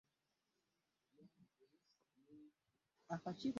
Erinnya lya Mukasa lituumwa omwana omulenzi.